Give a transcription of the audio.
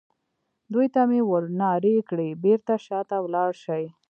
دوی ته مې ور نارې کړې: بېرته شا ته ولاړ شئ.